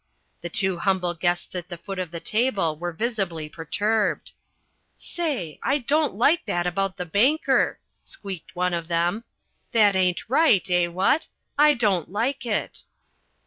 The two humble guests at the foot of the table were visibly perturbed. "Say, I don't like that about the banker," squeaked one of them. "That ain't right, eh what? I don't like it."